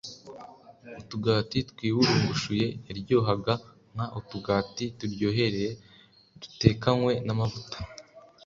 Utugati twiburungushuye yaryohaga nk utugati turyohereye dutekanywe n amavuta